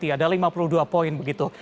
ada lima puluh dua poin begitu